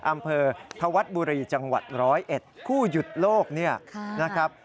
อำเภอธวัดบุรีจังหวัด๑๐๑คู่หยุดโลกเนี่ยนะครับ